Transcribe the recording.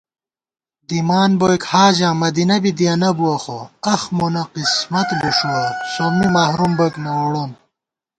دِمان بوئیک حاجاں مدینہ بی دِیَنہ بُوَہ خو * اَخ مونہ قِسمت لُݭُوَہ سومّی محروم بوئیک نہ ووڑون